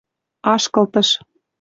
Ашкылтыш